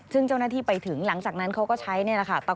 ซึ่งเจ้าหน้าที่ไปถึงหลังจากนั้นเขาก็ใช้นี่แหละค่ะ